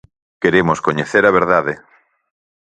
Queremos coñecer a verdade.